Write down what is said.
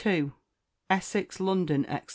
Essex, London, &c.